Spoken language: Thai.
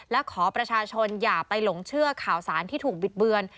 และขอประชาชนอย่าไปหลงเชื่อข่าวสารที่ถูกบิดเบือน